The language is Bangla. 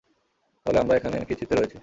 তাহলে আমরা এখানে কী ছিড়তে রয়েছি?